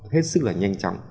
hết sức là nhanh chóng